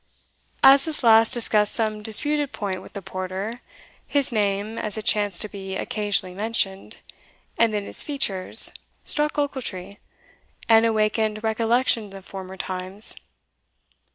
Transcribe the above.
As this last discussed some disputed point with the porter, his name, as it chanced to be occasionally mentioned, and then his features, struck Ochiltree, and awakened recollections of former times.